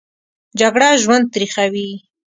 جګړه ژوند تریخوي